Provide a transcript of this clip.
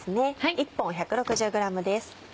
１本１６０ｇです。